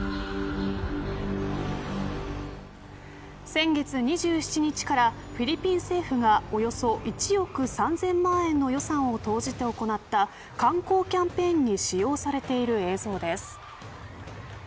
先月２７日からフィリピン政府がおよそ１億３０００万円の予算を投じて行った観光キャンペーンに使用されている映像です。